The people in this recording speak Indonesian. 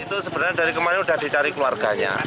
itu sebenarnya dari kemarin sudah dicari keluarganya